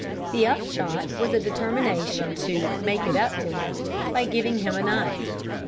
The upshot was a determination to "make it up to him" by giving him a knife.